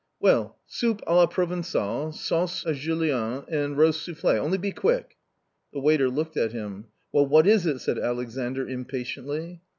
"Well, soup h la provencale, sauce julienne, and roast souffle', only be quick !" The waiter looked at him. " Well, what is it ?" said Alexandr, impatiently.